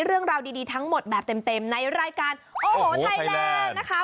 เรื่องราวดีทั้งหมดแบบเต็มในรายการโอ้โหไทยแลนด์นะคะ